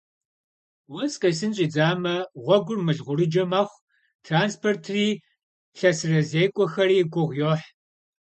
Уэс къесын щӀидзамэ, гъуэгур мылгъурыджэ мэхъу, транспортри лъэсырызекӀуэхэри гугъу йохь.